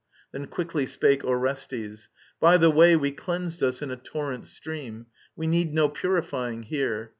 *' Then quickly spake Orestes :^* By the way We cleansed us in a torrent stream. We need No purifying here.